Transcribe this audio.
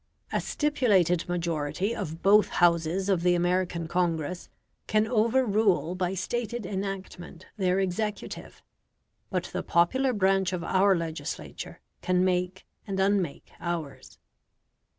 A stipulated majority of both Houses of the American Congress can overrule by stated enactment their executive; but the popular branch of our legislature can make and unmake ours.